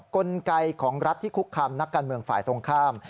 กลไกของรัฐที่คุกคามนักการเมืองฝ่ายตรงข้าม